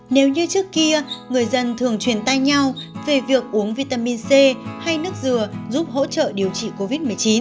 nếu như trước kia người dân thường truyền tay nhau về việc uống vitamin c hay nước dừa giúp hỗ trợ điều trị covid một mươi chín